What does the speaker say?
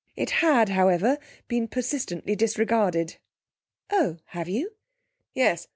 It had, however, been persistently disregarded. 'Oh, have you?' 'Yes.